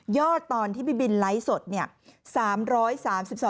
ยอดตอนที่บินไล้สดเนี่ย